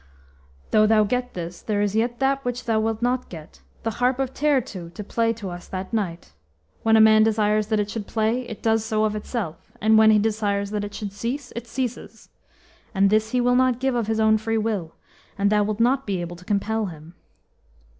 "Though thou get this, there is yet that which thou wilt not get the harp of Teirtu, to play to us that night. When a man desires that it should play, it does so of itself; and when he desires that it should cease, it ceases. And this he will not give of his own free will, and thou wilt not be able to compel him."